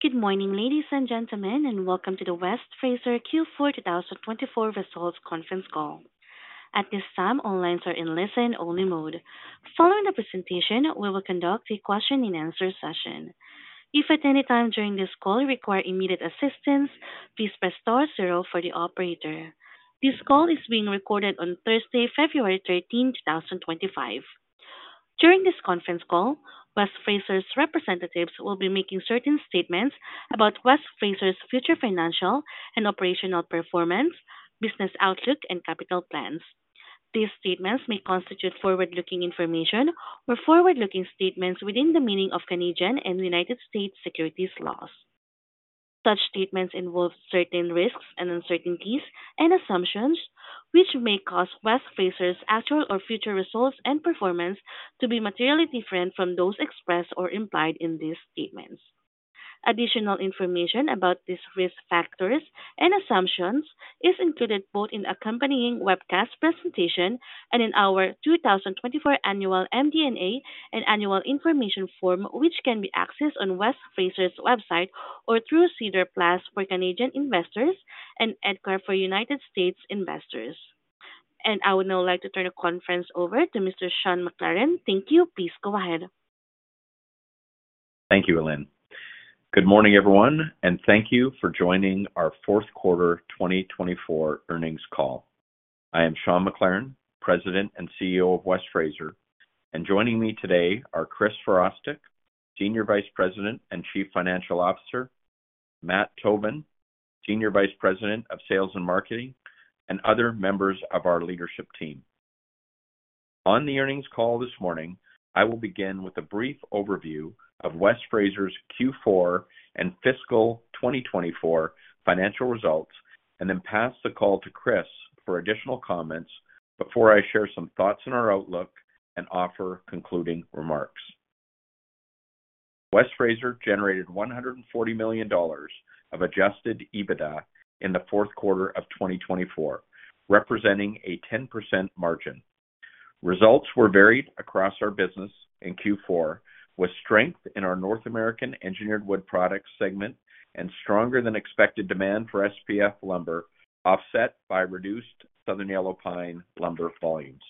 Good morning, ladies and gentlemen, and welcome to the West Fraser Q4 2024 Results Conference call. At this time, all lines are in listen-only mode. Following the presentation, we will conduct a question-and-answer session. If at any time during this call you require immediate assistance, please press star zero for the operator. This call is being recorded on Thursday, February 13, 2025. During this conference call, West Fraser's representatives will be making certain statements about West Fraser's future financial and operational performance, business outlook, and capital plans. These statements may constitute forward-looking information or forward-looking statements within the meaning of Canadian and United States securities laws. Such statements involve certain risks and uncertainties and assumptions, which may cause West Fraser's actual or future results and performance to be materially different from those expressed or implied in these statements. Additional information about these risk factors and assumptions is included both in the accompanying webcast presentation and in our 2024 Annual MD&A and Annual Information Form, which can be accessed on West Fraser's website or through SEDAR+ for Canadian investors and EDGAR for United States investors, and I would now like to turn the conference over to Mr. Sean McLaren. Thank you. Please go ahead. Thank you, Ellen. Good morning, everyone, and thank you for joining our fourth quarter 2024 earnings call. I am Sean McLaren, President and CEO of West Fraser, and joining me today are Chris Virostek, Senior Vice President and Chief Financial Officer, Matt Tobin, Senior Vice President of Sales and Marketing, and other members of our leadership team. On the earnings call this morning, I will begin with a brief overview of West Fraser's Q4 and fiscal 2024 financial results and then pass the call to Chris for additional comments before I share some thoughts on our outlook and offer concluding remarks. West Fraser generated $140 million of adjusted EBITDA in the fourth quarter of 2024, representing a 10% margin. Results were varied across our business in Q4, with strength in our North American engineered wood products segment and stronger-than-expected demand for SPF lumber offset by reduced Southern Yellow Pine lumber volumes.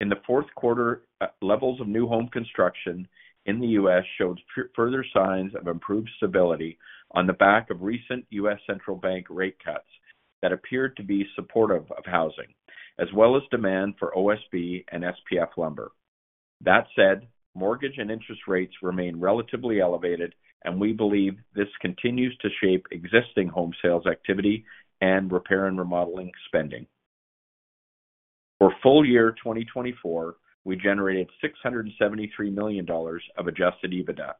In the fourth quarter, levels of new home construction in the U.S. showed further signs of improved stability on the back of recent U.S. Central Bank rate cuts that appeared to be supportive of housing, as well as demand for OSB and SPF lumber. That said, mortgage and interest rates remain relatively elevated, and we believe this continues to shape existing home sales activity and repair and remodeling spending. For full year 2024, we generated $673 million of adjusted EBITDA,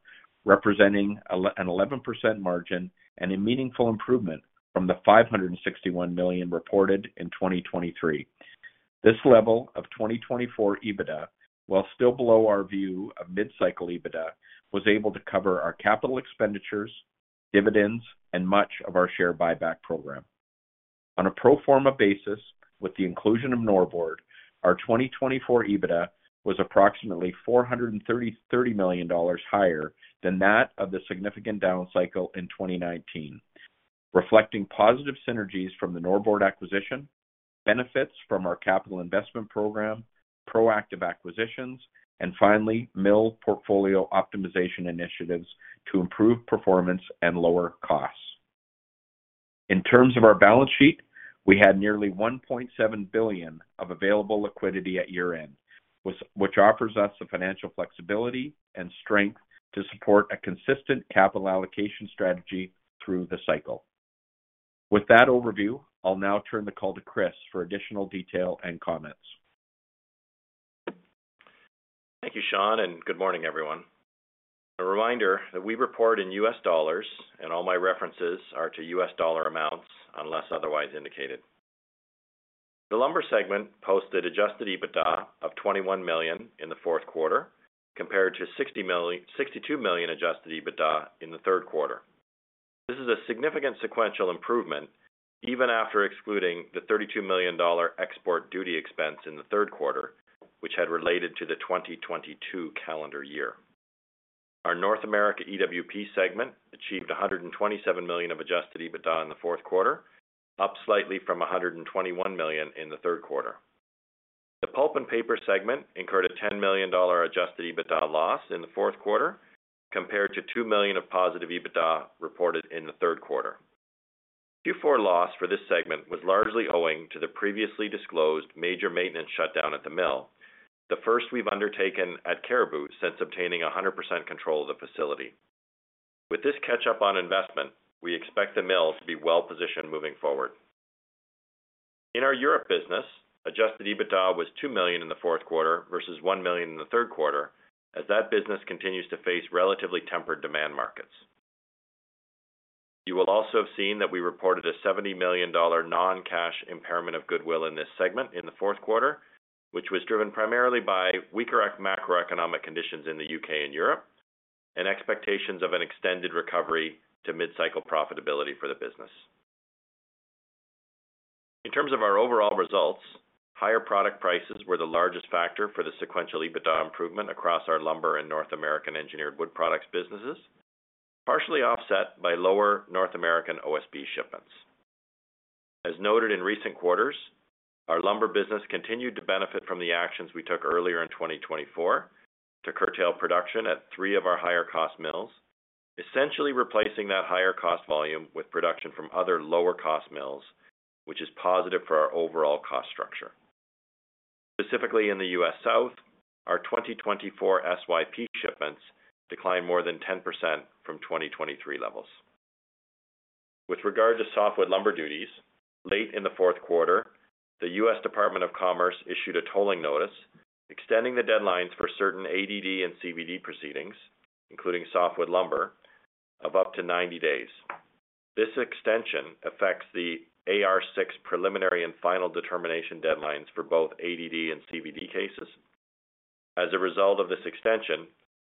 representing an 11% margin and a meaningful improvement from the $561 million reported in 2023. This level of 2024 EBITDA, while still below our view of mid-cycle EBITDA, was able to cover our capital expenditures, dividends, and much of our share buyback program. On a pro forma basis, with the inclusion of Norbord, our 2024 EBITDA was approximately $430 million higher than that of the significant down cycle in 2019, reflecting positive synergies from the Norbord acquisition, benefits from our capital investment program, proactive acquisitions, and finally, mill portfolio optimization initiatives to improve performance and lower costs. In terms of our balance sheet, we had nearly $1.7 billion of available liquidity at year-end, which offers us the financial flexibility and strength to support a consistent capital allocation strategy through the cycle. With that overview, I'll now turn the call to Chris for additional detail and comments. Thank you, Sean, and good morning, everyone. A reminder that we report in U.S. dollars, and all my references are to U.S. dollar amounts unless otherwise indicated. The lumber segment posted adjusted EBITDA of $21 million in the fourth quarter, compared to $62 million adjusted EBITDA in the third quarter. This is a significant sequential improvement, even after excluding the $32 million export duty expense in the third quarter, which had related to the 2022 calendar year. Our North America EWP segment achieved $127 million of adjusted EBITDA in the fourth quarter, up slightly from $121 million in the third quarter. The pulp and paper segment incurred a $10 million adjusted EBITDA loss in the fourth quarter, compared to $2 million of positive EBITDA reported in the third quarter. Q4 loss for this segment was largely owing to the previously disclosed major maintenance shutdown at the mill, the first we've undertaken at Cariboo since obtaining 100% control of the facility. With this catch-up on investment, we expect the mill to be well-positioned moving forward. In our Europe business, Adjusted EBITDA was $2 million in the fourth quarter versus $1 million in the third quarter, as that business continues to face relatively tempered demand markets. You will also have seen that we reported a $70 million non-cash impairment of goodwill in this segment in the fourth quarter, which was driven primarily by weaker macroeconomic conditions in the U.K. and Europe, and expectations of an extended recovery to mid-cycle profitability for the business. In terms of our overall results, higher product prices were the largest factor for the sequential EBITDA improvement across our lumber and North American engineered wood products businesses, partially offset by lower North American OSB shipments. As noted in recent quarters, our lumber business continued to benefit from the actions we took earlier in 2024 to curtail production at three of our higher-cost mills, essentially replacing that higher-cost volume with production from other lower-cost mills, which is positive for our overall cost structure. Specifically in the U.S. South, our 2024 SYP shipments declined more than 10% from 2023 levels. With regard to softwood lumber duties, late in the fourth quarter, the U.S. Department of Commerce issued a tolling notice extending the deadlines for certain ADD and CVD proceedings, including softwood lumber, of up to 90 days. This extension affects the AR6 preliminary and final determination deadlines for both ADD and CVD cases. As a result of this extension,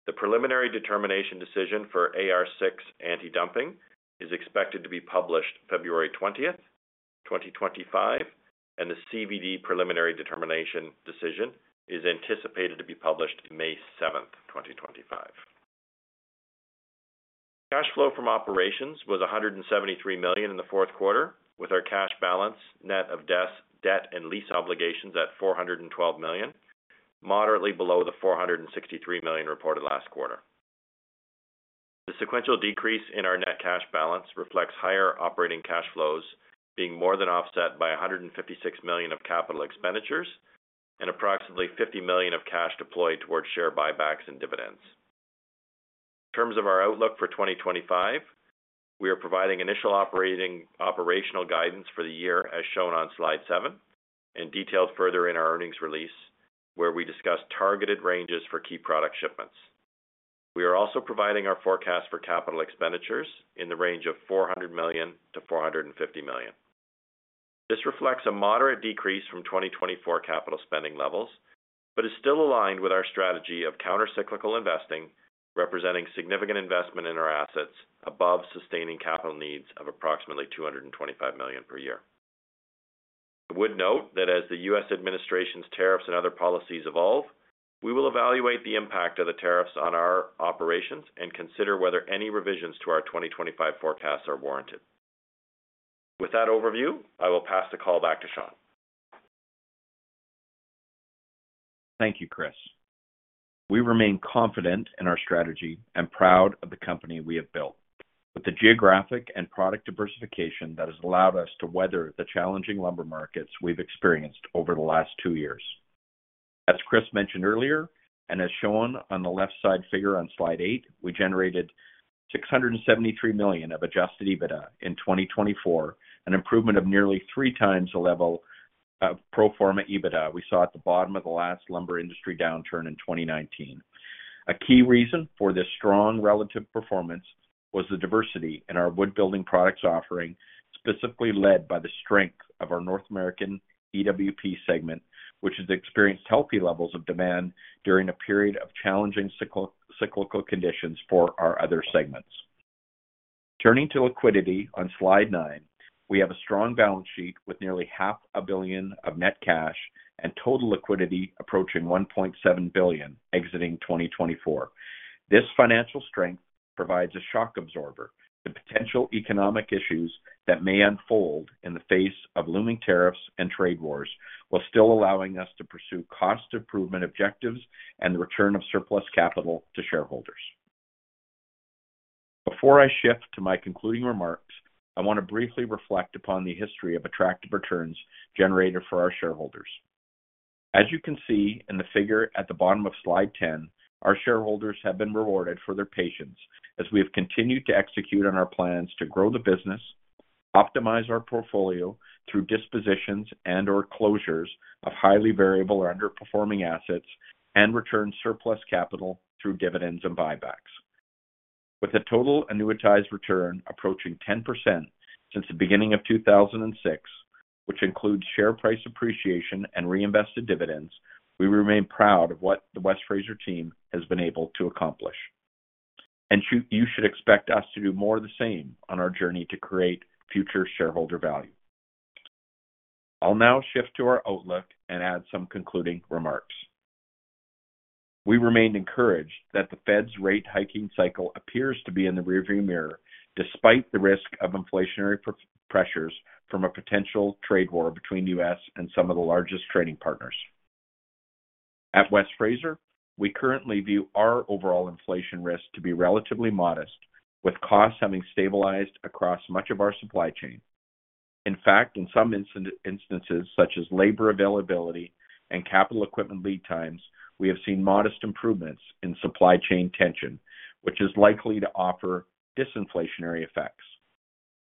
the preliminary determination decision for AR6 anti-dumping is expected to be published February 20, 2025, and the CVD preliminary determination decision is anticipated to be published May 7, 2025. Cash flow from operations was $173 million in the fourth quarter, with our cash balance net of debt and lease obligations at $412 million, moderately below the $463 million reported last quarter. The sequential decrease in our net cash balance reflects higher operating cash flows being more than offset by $156 million of capital expenditures and approximately $50 million of cash deployed towards share buybacks and dividends. In terms of our outlook for 2025, we are providing initial operational guidance for the year as shown on slide 7, and detailed further in our earnings release where we discuss targeted ranges for key product shipments. We are also providing our forecast for capital expenditures in the range of $400 million-$450 million. This reflects a moderate decrease from 2024 capital spending levels but is still aligned with our strategy of countercyclical investing, representing significant investment in our assets above sustaining capital needs of approximately $225 million per year. I would note that as the U.S. administration's tariffs and other policies evolve, we will evaluate the impact of the tariffs on our operations and consider whether any revisions to our 2025 forecasts are warranted. With that overview, I will pass the call back to Sean. Thank you, Chris. We remain confident in our strategy and proud of the company we have built, with the geographic and product diversification that has allowed us to weather the challenging lumber markets we've experienced over the last two years. As Chris mentioned earlier, and as shown on the left-side figure on slide 8, we generated $673 million of Adjusted EBITDA in 2024, an improvement of nearly three times the level of pro forma EBITDA we saw at the bottom of the last lumber industry downturn in 2019. A key reason for this strong relative performance was the diversity in our wood building products offering, specifically led by the strength of our North American EWP segment, which has experienced healthy levels of demand during a period of challenging cyclical conditions for our other segments. Turning to liquidity on slide 9, we have a strong balance sheet with nearly $500 million of net cash and total liquidity approaching $1.7 billion exiting 2024. This financial strength provides a shock absorber. The potential economic issues that may unfold in the face of looming tariffs and trade wars while still allowing us to pursue cost improvement objectives and the return of surplus capital to shareholders. Before I shift to my concluding remarks, I want to briefly reflect upon the history of attractive returns generated for our shareholders. As you can see in the figure at the bottom of slide 10, our shareholders have been rewarded for their patience as we have continued to execute on our plans to grow the business, optimize our portfolio through dispositions and/or closures of highly variable or underperforming assets, and return surplus capital through dividends and buybacks. With a total annuitized return approaching 10% since the beginning of 2006, which includes share price appreciation and reinvested dividends, we remain proud of what the West Fraser team has been able to accomplish, and you should expect us to do more of the same on our journey to create future shareholder value. I'll now shift to our outlook and add some concluding remarks. We remained encouraged that the Fed's rate hiking cycle appears to be in the rearview mirror despite the risk of inflationary pressures from a potential trade war between the U.S. and some of the largest trading partners. At West Fraser, we currently view our overall inflation risk to be relatively modest, with costs having stabilized across much of our supply chain. In fact, in some instances, such as labor availability and capital equipment lead times, we have seen modest improvements in supply chain tension, which is likely to offer disinflationary effects.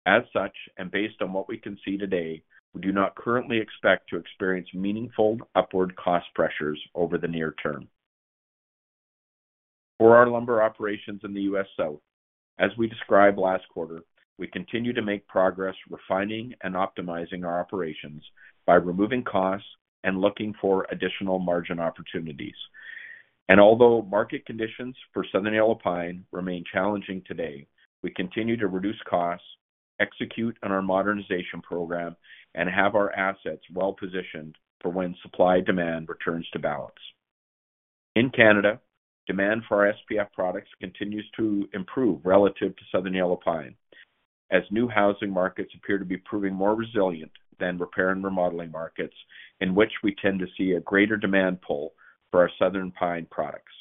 As such, and based on what we can see today, we do not currently expect to experience meaningful upward cost pressures over the near term. For our lumber operations in the U.S. South, as we described last quarter, we continue to make progress refining and optimizing our operations by removing costs and looking for additional margin opportunities. And although market conditions for Southern Yellow Pine remain challenging today, we continue to reduce costs, execute on our modernization program, and have our assets well-positioned for when supply-demand returns to balance. In Canada, demand for our SPF products continues to improve relative to Southern Yellow Pine, as new housing markets appear to be proving more resilient than repair and remodeling markets, in which we tend to see a greater demand pull for our Southern Pine products.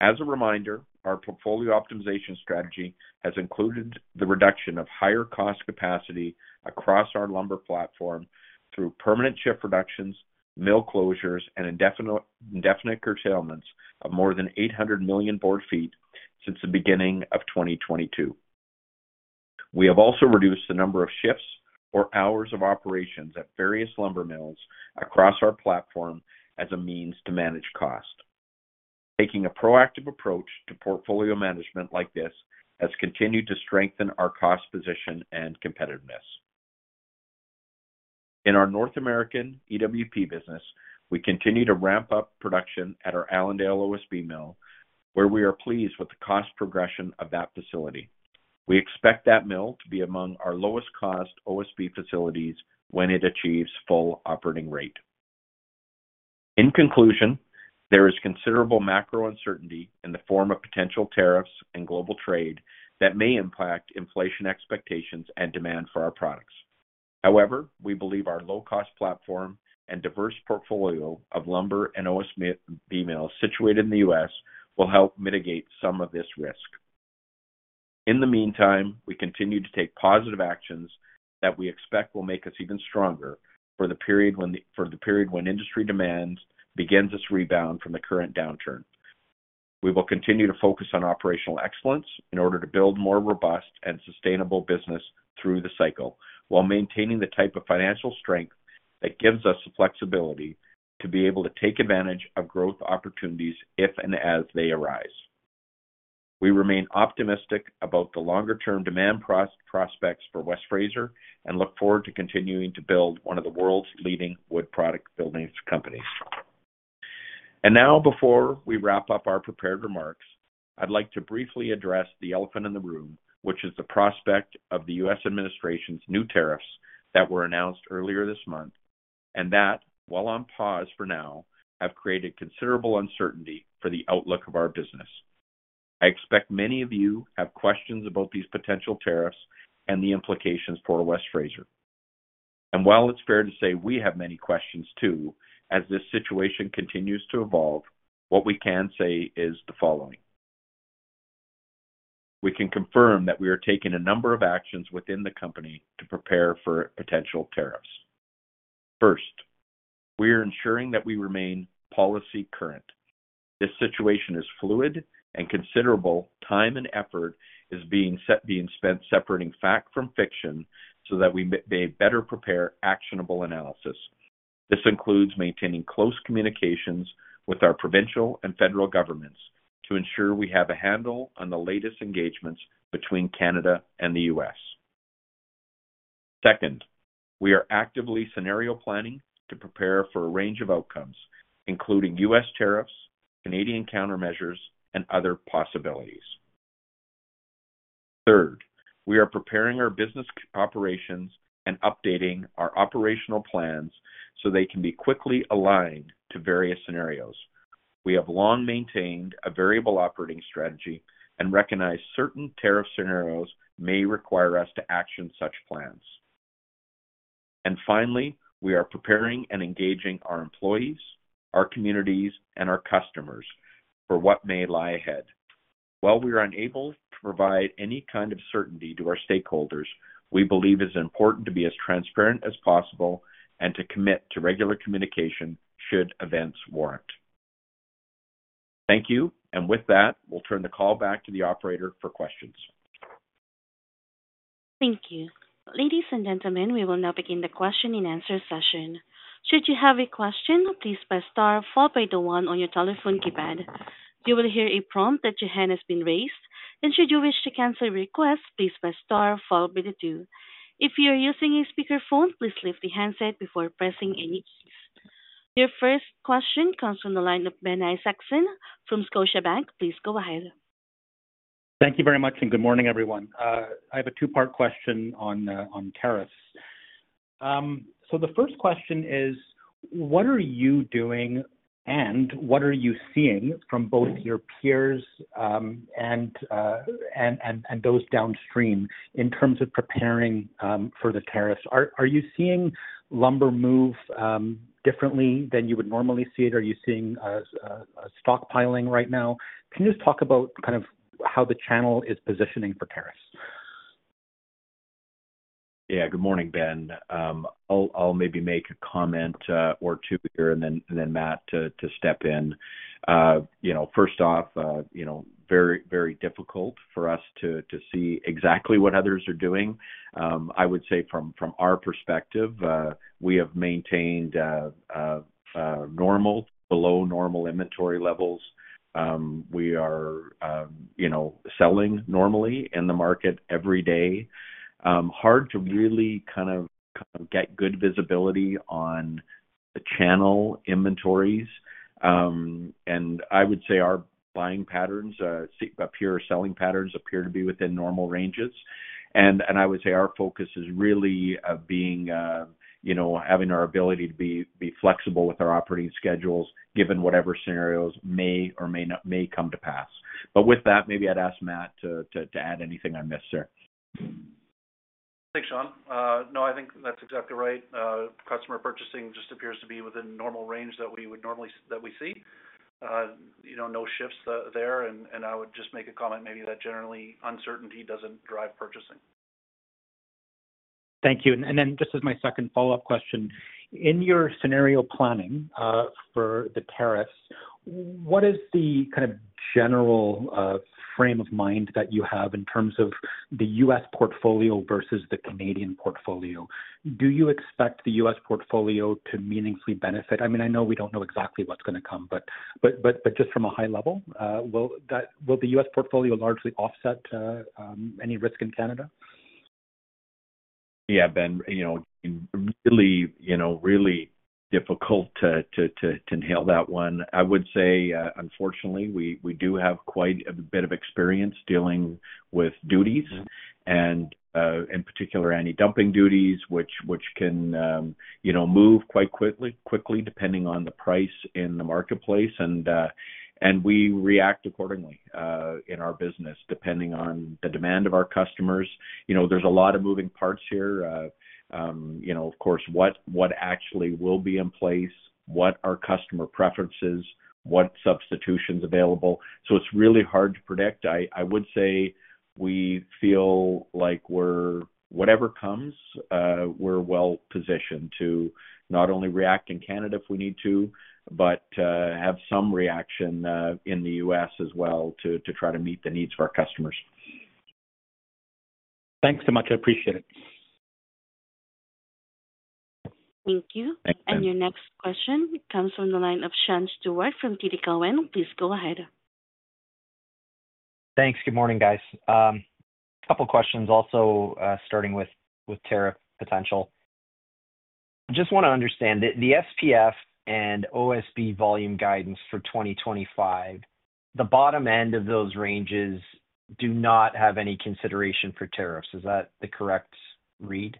As a reminder, our portfolio optimization strategy has included the reduction of higher cost capacity across our lumber platform through permanent shift reductions, mill closures, and indefinite curtailments of more than 800 million board feet since the beginning of 2022. We have also reduced the number of shifts or hours of operations at various lumber mills across our platform as a means to manage cost. Taking a proactive approach to portfolio management like this has continued to strengthen our cost position and competitiveness. In our North American EWP business, we continue to ramp up production at our Allendale OSB mill, where we are pleased with the cost progression of that facility. We expect that mill to be among our lowest-cost OSB facilities when it achieves full operating rate. In conclusion, there is considerable macro uncertainty in the form of potential tariffs and global trade that may impact inflation expectations and demand for our products. However, we believe our low-cost platform and diverse portfolio of lumber and OSB mills situated in the U.S. will help mitigate some of this risk. In the meantime, we continue to take positive actions that we expect will make us even stronger for the period when industry demand begins its rebound from the current downturn. We will continue to focus on operational excellence in order to build more robust and sustainable business through the cycle, while maintaining the type of financial strength that gives us the flexibility to be able to take advantage of growth opportunities if and as they arise. We remain optimistic about the longer-term demand prospects for West Fraser and look forward to continuing to build one of the world's leading wood products building companies. And now, before we wrap up our prepared remarks, I'd like to briefly address the elephant in the room, which is the prospect of the U.S. administration's new tariffs that were announced earlier this month and that, while on pause for now, have created considerable uncertainty for the outlook of our business. I expect many of you have questions about these potential tariffs and the implications for West Fraser. And while it's fair to say we have many questions too, as this situation continues to evolve, what we can say is the following. We can confirm that we are taking a number of actions within the company to prepare for potential tariffs. First, we are ensuring that we remain policy current. This situation is fluid, and considerable time and effort is being spent separating fact from fiction so that we may better prepare actionable analysis. This includes maintaining close communications with our provincial and federal governments to ensure we have a handle on the latest engagements between Canada and the U.S. Second, we are actively scenario planning to prepare for a range of outcomes, including U.S. tariffs, Canadian countermeasures, and other possibilities. Third, we are preparing our business operations and updating our operational plans so they can be quickly aligned to various scenarios. We have long maintained a variable operating strategy and recognize certain tariff scenarios may require us to action such plans, and finally, we are preparing and engaging our employees, our communities, and our customers for what may lie ahead. While we are unable to provide any kind of certainty to our stakeholders, we believe it is important to be as transparent as possible and to commit to regular communication should events warrant. Thank you, and with that, we'll turn the call back to the operator for questions. Thank you. Ladies and gentlemen, we will now begin the question-and-answer session. Should you have a question, please press star followed by the one on your telephone keypad. You will hear a prompt that your hand has been raised, and should you wish to cancel your request, please press star followed by the two. If you are using a speakerphone, please lift the handset before pressing any keys. Your first question comes from the line of Ben Isaacson from Scotiabank. Please go ahead. Thank you very much, and good morning, everyone. I have a two-part question on tariffs. So the first question is, what are you doing and what are you seeing from both your peers and those downstream in terms of preparing for the tariffs? Are you seeing lumber move differently than you would normally see it? Are you seeing a stockpiling right now? Can you just talk about kind of how the channel is positioning for tariffs? Yeah, good morning, Ben. I'll maybe make a comment or two here, and then Matt to step in. First off, very, very difficult for us to see exactly what others are doing. I would say from our perspective, we have maintained normal to below normal inventory levels. We are selling normally in the market every day. Hard to really kind of get good visibility on the channel inventories, and I would say our buying patterns appear, selling patterns appear to be within normal ranges. and I would say our focus is really on having our ability to be flexible with our operating schedules given whatever scenarios may or may not come to pass. but with that, maybe I'd ask Matt to add anything I missed there. Thanks, Sean. No, I think that's exactly right. Customer purchasing just appears to be within normal range that we would normally see. No shifts there, and I would just make a comment maybe that generally uncertainty doesn't drive purchasing. Thank you. And then just as my second follow-up question, in your scenario planning for the tariffs, what is the kind of general frame of mind that you have in terms of the U.S. portfolio versus the Canadian portfolio? Do you expect the U.S. portfolio to meaningfully benefit? I mean, I know we don't know exactly what's going to come, but just from a high level, will the U.S. portfolio largely offset any risk in Canada? Yeah, Ben, really, really difficult to nail that one. I would say, unfortunately, we do have quite a bit of experience dealing with duties, and in particular, anti-dumping duties, which can move quite quickly depending on the price in the marketplace, and we react accordingly in our business depending on the demand of our customers. There's a lot of moving parts here. Of course, what actually will be in place, what are customer preferences, what substitutions available? So it's really hard to predict. I would say we feel like whatever comes, we're well-positioned to not only react in Canada if we need to, but have some reaction in the U.S. as well to try to meet the needs for our customers. Thanks so much. I appreciate it. Thank you. And your next question comes from the line of Sean Steuart from TD Cowen. Please go ahead. Thanks. Good morning, guys. A couple of questions also starting with tariff potential. I just want to understand the SPF and OSB volume guidance for 2025. The bottom end of those ranges do not have any consideration for tariffs. Is that the correct read?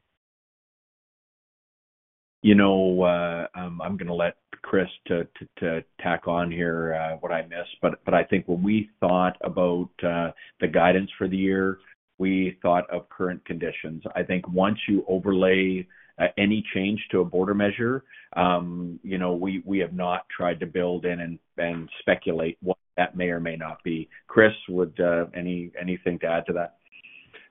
I'm going to let Chris tag on here what I missed, but I think what we thought about the guidance for the year, we thought of current conditions. I think once you overlay any change to a border measure, we have not tried to build in and speculate what that may or may not be. Chris, anything to add to that?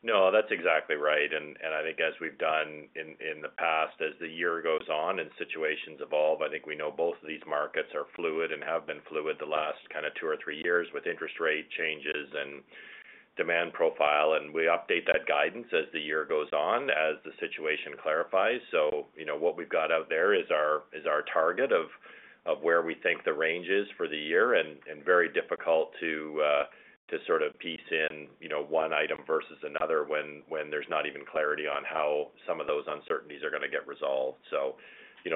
No, that's exactly right, and I think as we've done in the past, as the year goes on and situations evolve, I think we know both of these markets are fluid and have been fluid the last kind of two or three years with interest rate changes and demand profile, and we update that guidance as the year goes on, as the situation clarifies, so what we've got out there is our target of where we think the range is for the year, and very difficult to sort of piece in one item versus another when there's not even clarity on how some of those uncertainties are going to get resolved, so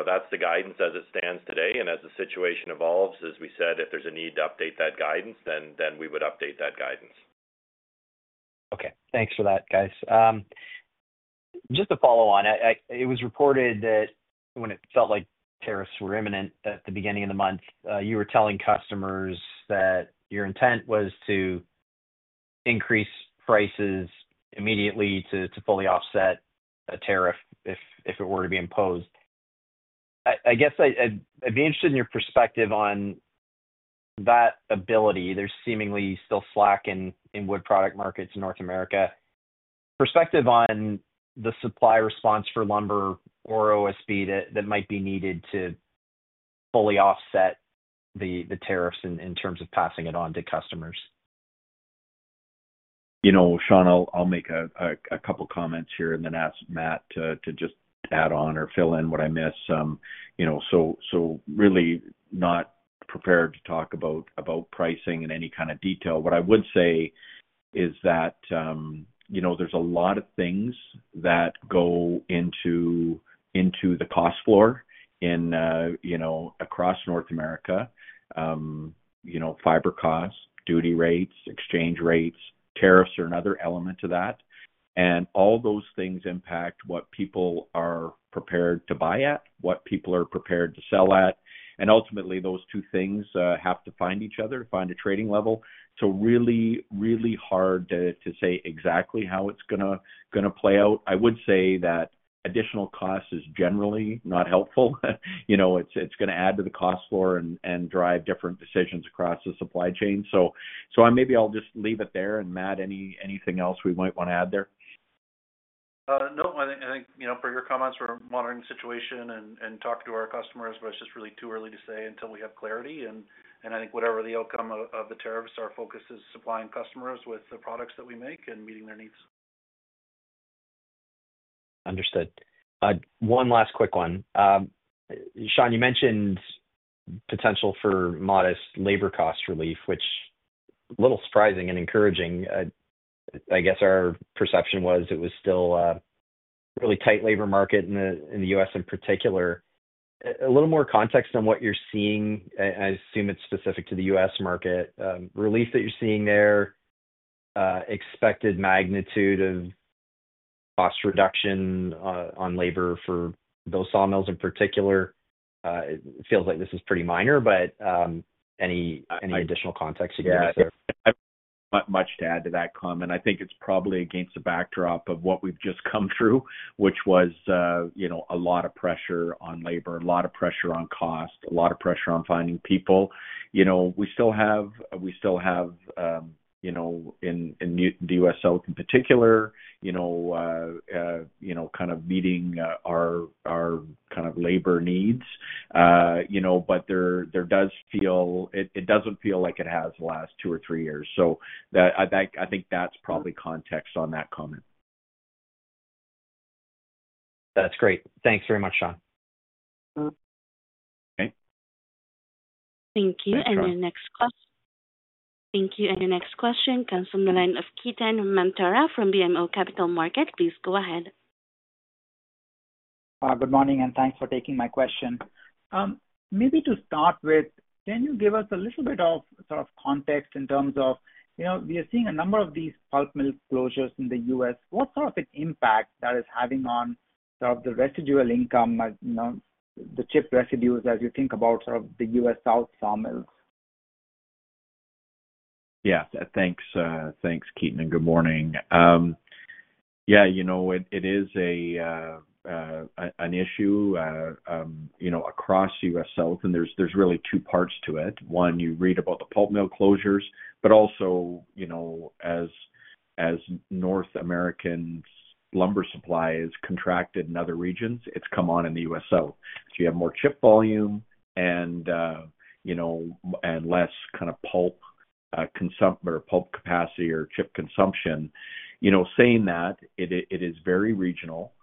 that's the guidance as it stands today, and as the situation evolves, as we said, if there's a need to update that guidance, then we would update that guidance. Okay. Thanks for that, guys. Just to follow on, it was reported that when it felt like tariffs were imminent at the beginning of the month, you were telling customers that your intent was to increase prices immediately to fully offset a tariff if it were to be imposed. I guess I'd be interested in your perspective on that ability. There's seemingly still slack in wood product markets in North America. Perspective on the supply response for lumber or OSB that might be needed to fully offset the tariffs in terms of passing it on to customers? Sean, I'll make a couple of comments here and then ask Matt to just add on or fill in what I miss. So really not prepared to talk about pricing in any kind of detail. What I would say is that there's a lot of things that go into the cost floor across North America. Fiber costs, duty rates, exchange rates, tariffs are another element to that. And all those things impact what people are prepared to buy at, what people are prepared to sell at. And ultimately, those two things have to find each other, find a trading level. So really, really hard to say exactly how it's going to play out. I would say that additional cost is generally not helpful. It's going to add to the cost floor and drive different decisions across the supply chain. So maybe I'll just leave it there. Matt, anything else we might want to add there? No, I think from your comments on our market situation and talking to our customers, but it's just really too early to say until we have clarity, and I think whatever the outcome of the tariffs, our focus is supplying customers with the products that we make and meeting their needs. Understood. One last quick one. Sean, you mentioned potential for modest labor cost relief, which is a little surprising and encouraging. I guess our perception was it was still a really tight labor market in the U.S. in particular. A little more context on what you're seeing. I assume it's specific to the U.S. market. Relief that you're seeing there, expected magnitude of cost reduction on labor for those sawmills in particular. It feels like this is pretty minor, but any additional context you can give us there? I have much to add to that comment. I think it's probably against the backdrop of what we've just come through, which was a lot of pressure on labor, a lot of pressure on cost, a lot of pressure on finding people. We still have, in the U.S. South in particular, kind of meeting our kind of labor needs, but it doesn't feel like it has the last two or three years. So I think that's probably context on that comment. That's great. Thanks very much, Sean. Okay. Thank you. And your next question. Thank you. And your next question comes from the line of Ketan Mamtora from BMO Capital Markets. Please go ahead. Good morning, and thanks for taking my question. Maybe to start with, can you give us a little bit of sort of context in terms of we are seeing a number of these pulp mill closures in the U.S.? What sort of an impact that is having on sort of the residual income, the chip residues, as you think about sort of the U.S. South sawmills? Yeah. Thanks, Ketan, and good morning. Yeah, it is an issue across U.S. South, and there's really two parts to it. One, you read about the pulp mill closures, but also as North American lumber supply has contracted in other regions, it's come on in the U.S. South. So you have more chip volume and less kind of pulp capacity or chip consumption. Saying that, it is very regional.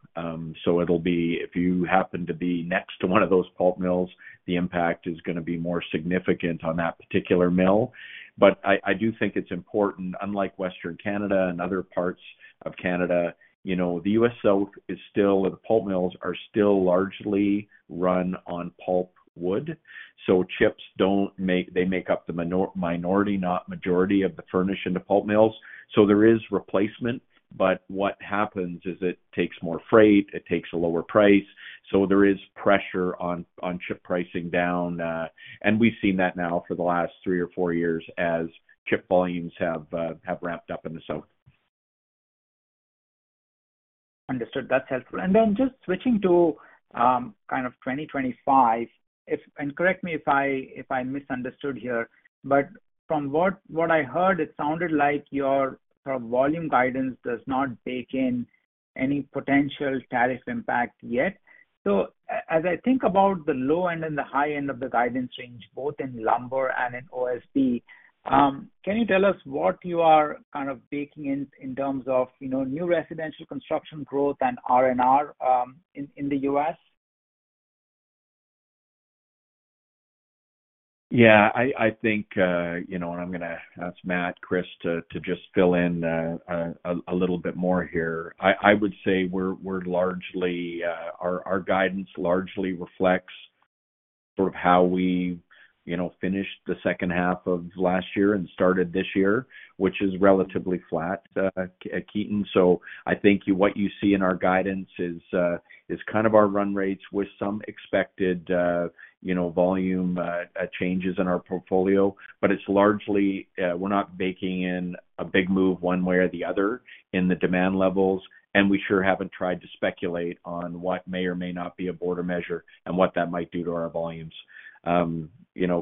So it'll be if you happen to be next to one of those pulp mills, the impact is going to be more significant on that particular mill. But I do think it's important, unlike Western Canada and other parts of Canada, the U.S. South is still the pulp mills are still largely run on pulpwood. So chips, they make up the minority, not majority of the furnish to pulp mills. So there is replacement, but what happens is it takes more freight. It takes a lower price. So there is pressure on chip pricing down. And we've seen that now for the last three or four years as chip volumes have ramped up in the South. Understood. That's helpful. And then just switching to kind of 2025, and correct me if I misunderstood here, but from what I heard, it sounded like your volume guidance does not bake in any potential tariff impact yet. So as I think about the low end and the high end of the guidance range, both in lumber and in OSB, can you tell us what you are kind of baking in terms of new residential construction growth and R&R in the U.S.? Yeah, I think, and I'm going to ask Matt, Chris to just fill in a little bit more here. I would say our guidance largely reflects sort of how we finished the second half of last year and started this year, which is relatively flat, Ketan. So I think what you see in our guidance is kind of our run rates with some expected volume changes in our portfolio, but it's largely we're not baking in a big move one way or the other in the demand levels, and we sure haven't tried to speculate on what may or may not be a border measure and what that might do to our volumes.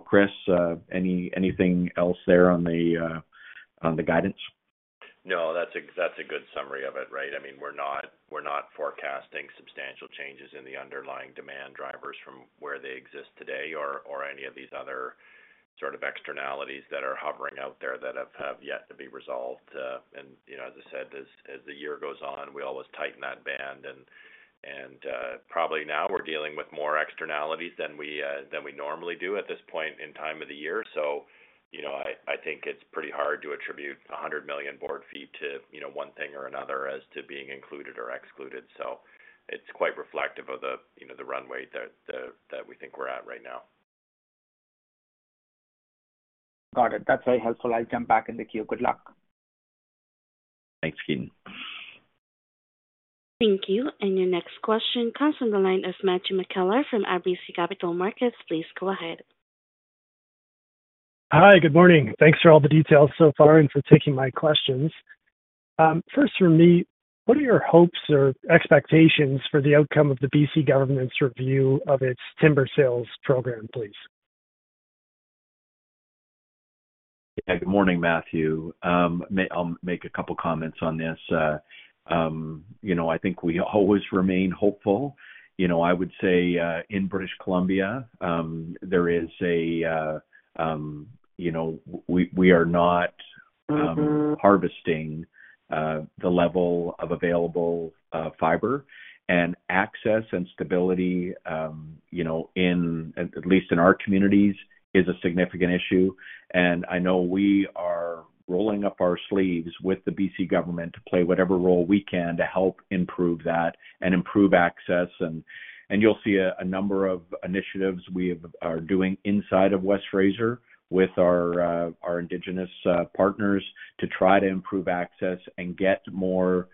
Chris, anything else there on the guidance? No, that's a good summary of it, right? I mean, we're not forecasting substantial changes in the underlying demand drivers from where they exist today or any of these other sort of externalities that are hovering out there that have yet to be resolved, and as I said, as the year goes on, we always tighten that band, and probably now we're dealing with more externalities than we normally do at this point in time of the year, so I think it's pretty hard to attribute 100 million board feet to one thing or another as to being included or excluded, so it's quite reflective of the runway that we think we're at right now. Got it. That's very helpful. I'll jump back in the queue. Good luck. Thanks, Ketan. Thank you. And your next question comes from the line of Matthew McKellar from RBC Capital Markets. Please go ahead. Hi, good morning. Thanks for all the details so far and for taking my questions. First, for me, what are your hopes or expectations for the outcome of the BC government's review of its timber sales program, please? Yeah, good morning, Matthew. I'll make a couple of comments on this. I think we always remain hopeful. I would say in British Columbia, there is a we are not harvesting the level of available fiber, and access and stability, at least in our communities, is a significant issue, and I know we are rolling up our sleeves with the BC government to play whatever role we can to help improve that and improve access, and you'll see a number of initiatives we are doing inside of West Fraser with our Indigenous partners to try to improve access and get more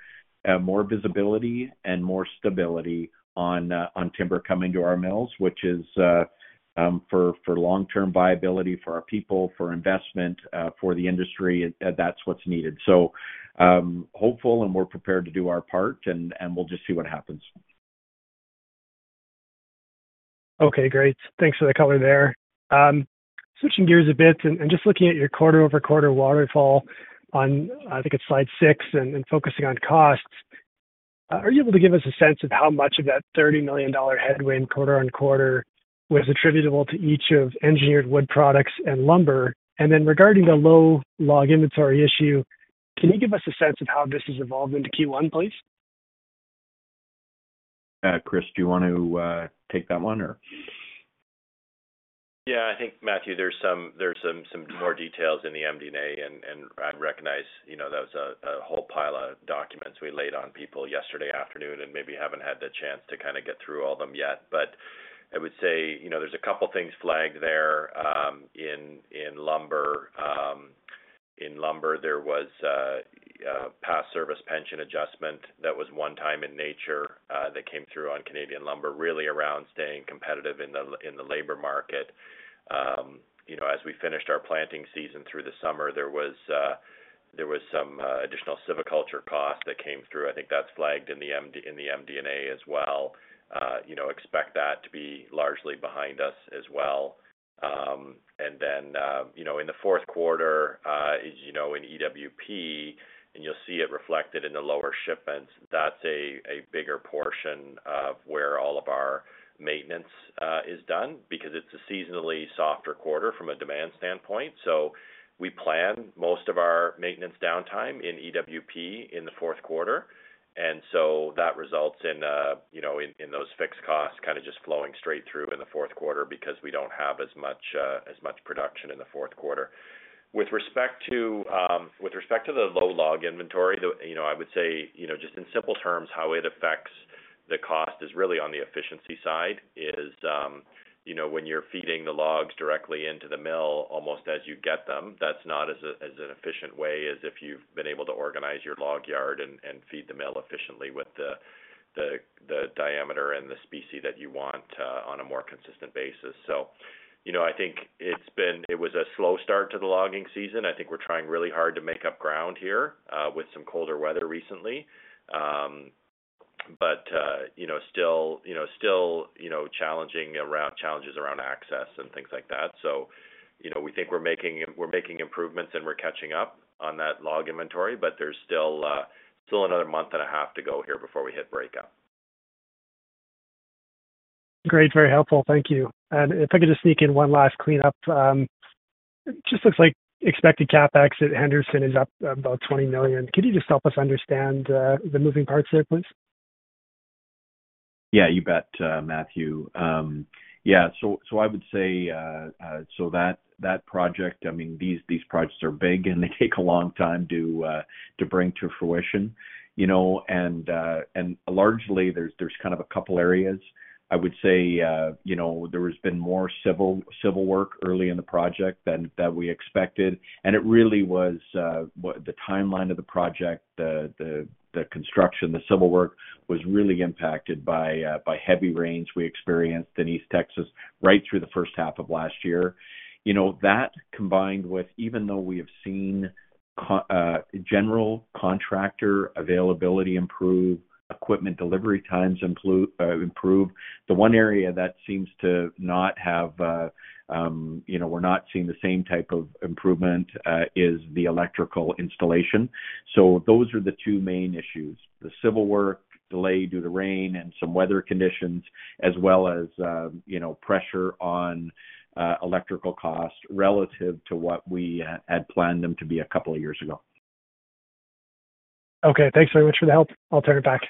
visibility and more stability on timber coming to our mills, which is for long-term viability for our people, for investment, for the industry. That's what's needed, so hopeful, and we're prepared to do our part, and we'll just see what happens. Okay, great. Thanks for the color there. Switching gears a bit and just looking at your quarter-over-quarter waterfall on, I think it's slide six, and focusing on costs, are you able to give us a sense of how much of that $30 million headwind quarter on quarter was attributable to each of engineered wood products and lumber? And then regarding the low log inventory issue, can you give us a sense of how this has evolved into Q1, please? Chris, do you want to take that one or? Yeah, I think, Matthew, there's some more details in the MD&A, and I recognize that was a whole pile of documents we laid on people yesterday afternoon and maybe haven't had the chance to kind of get through all of them yet. But I would say there's a couple of things flagged there in lumber. In lumber, there was a past service pension adjustment that was one-time in nature that came through on Canadian lumber, really around staying competitive in the labor market. As we finished our planting season through the summer, there was some additional silviculture cost that came through. I think that's flagged in the MD&A as well. Expect that to be largely behind us as well. And then in the fourth quarter, in EWP, and you'll see it reflected in the lower shipments, that's a bigger portion of where all of our maintenance is done because it's a seasonally softer quarter from a demand standpoint. So we plan most of our maintenance downtime in EWP in the fourth quarter. And so that results in those fixed costs kind of just flowing straight through in the fourth quarter because we don't have as much production in the fourth quarter. With respect to the low log inventory, I would say just in simple terms, how it affects the cost is really on the efficiency side is when you're feeding the logs directly into the mill almost as you get them. That's not as efficient a way as if you've been able to organize your log yard and feed the mill efficiently with the diameter and the species that you want on a more consistent basis. So I think it was a slow start to the logging season. I think we're trying really hard to make up ground here with some colder weather recently, but still challenges around access and things like that. So we think we're making improvements and we're catching up on that log inventory, but there's still another month and a half to go here before we hit breakup. Great. Very helpful. Thank you. And if I could just sneak in one last cleanup, it just looks like expected CapEx at Henderson is up about $20 million. Could you just help us understand the moving parts there, please? Yeah, you bet, Matthew. Yeah. So I would say, so that project, I mean, these projects are big and they take a long time to bring to fruition. And largely, there's kind of a couple of areas. I would say there has been more civil work early in the project than we expected. And it really was the timeline of the project, the construction, the civil work was really impacted by heavy rains we experienced in East Texas right through the first half of last year. That combined with, even though we have seen general contractor availability improve, equipment delivery times improve, the one area that seems to not have, we're not seeing the same type of improvement is the electrical installation. So those are the two main issues: the civil work delay due to rain and some weather conditions, as well as pressure on electrical costs relative to what we had planned them to be a couple of years ago. Okay. Thanks very much for the help. I'll turn it back.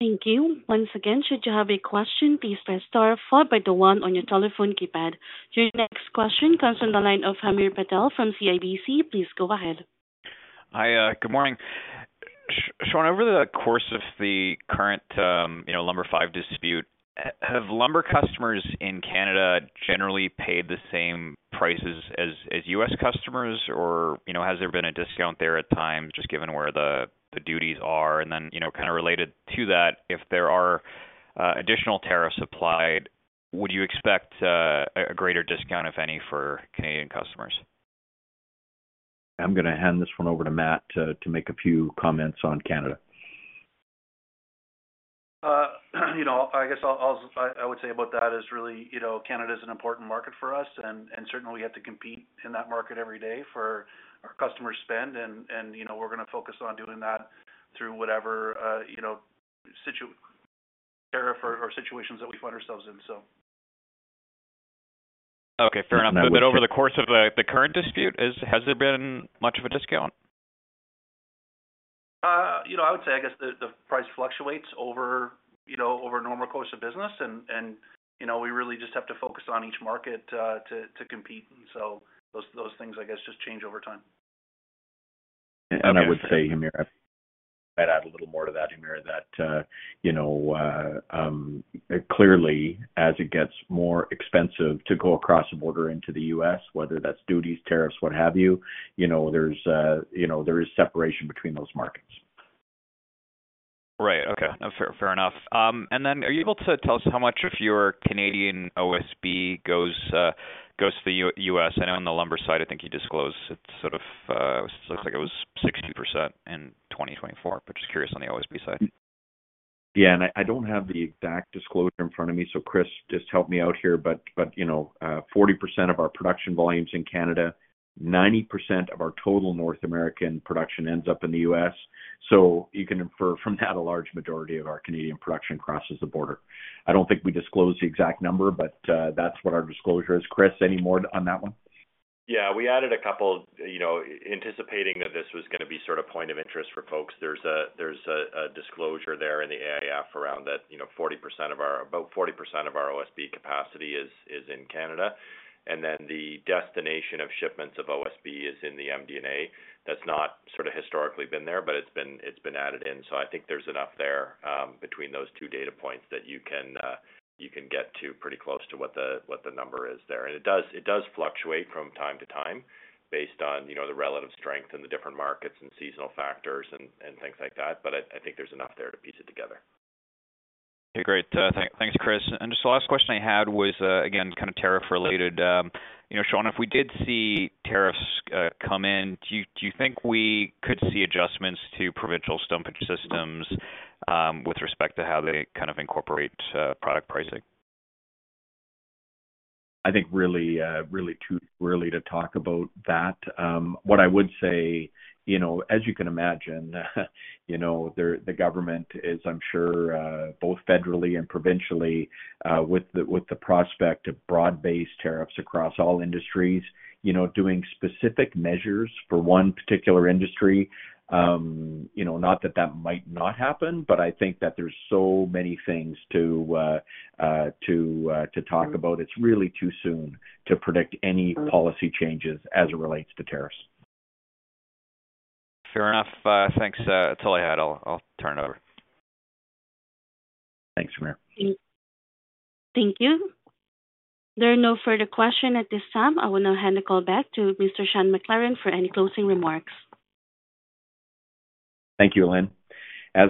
Thank you. Once again, should you have a question, please press star followed by the one on your telephone keypad. Your next question comes from the line of Hamir Patel from CIBC. Please go ahead. Hi, good morning. Sean, over the course of the current Lumber V dispute, have lumber customers in Canada generally paid the same prices as U.S. customers, or has there been a discount there at times just given where the duties are? And then kind of related to that, if there are additional tariffs applied, would you expect a greater discount, if any, for Canadian customers? I'm going to hand this one over to Matt to make a few comments on Canada. I guess I would say about that is really Canada is an important market for us, and certainly we have to compete in that market every day for our customer spend, and we're going to focus on doing that through whatever tariff or situations that we find ourselves in, so. Okay. Fair enough. But over the course of the current dispute, has there been much of a discount? I would say, I guess, the price fluctuates over normal course of business, and we really just have to focus on each market to compete, and so those things, I guess, just change over time. I would say, Hamir, I'd add a little more to that, Hamir, that clearly, as it gets more expensive to go across the border into the U.S., whether that's duties, tariffs, what have you, there is separation between those markets. Right. Okay. Fair enough. And then are you able to tell us how much of your Canadian OSB goes to the U.S.? I know on the lumber side, I think you disclosed it sort of looks like it was 60% in 2024, but just curious on the OSB side. Yeah. And I don't have the exact disclosure in front of me, so Chris, just help me out here, but 40% of our production volumes in Canada, 90% of our total North American production ends up in the U.S. So you can infer from that a large majority of our Canadian production crosses the border. I don't think we disclosed the exact number, but that's what our disclosure is. Chris, any more on that one? Yeah. We added a couple anticipating that this was going to be sort of point of interest for folks. There's a disclosure there in the AIF around that 40% of our about 40% of our OSB capacity is in Canada. And then the destination of shipments of OSB is in the MD&A. That's not sort of historically been there, but it's been added in. So I think there's enough there between those two data points that you can get to pretty close to what the number is there. And it does fluctuate from time to time based on the relative strength and the different markets and seasonal factors and things like that, but I think there's enough there to piece it together. Okay. Great. Thanks, Chris. And just the last question I had was, again, kind of tariff-related. Sean, if we did see tariffs come in, do you think we could see adjustments to provincial stumpage systems with respect to how they kind of incorporate product pricing? I think really too early to talk about that. What I would say, as you can imagine, the government is, I'm sure, both federally and provincially, with the prospect of broad-based tariffs across all industries, doing specific measures for one particular industry. Not that that might not happen, but I think that there's so many things to talk about. It's really too soon to predict any policy changes as it relates to tariffs. Fair enough. Thanks. That's all I had. I'll turn it over. Thanks, Hamir. Thank you. There are no further questions at this time. I will now hand the call back to Mr. Sean McLaren for any closing remarks. Thank you, Ellen. As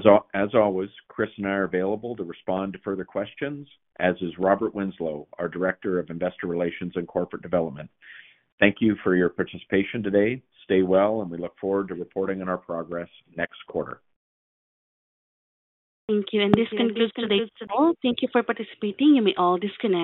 always, Chris and I are available to respond to further questions, as is Robert Winslow, our Director of Investor Relations and Corporate Development. Thank you for your participation today. Stay well, and we look forward to reporting on our progress next quarter. Thank you. And this concludes today's call. Thank you for participating. You may all disconnect.